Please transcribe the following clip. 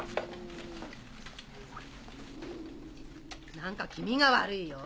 何か気味が悪いよ。